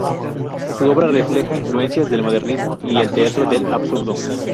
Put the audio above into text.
Su obra refleja influencias del modernismo y el teatro del absurdo.